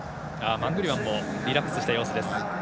マングリワンもリラックスした様子。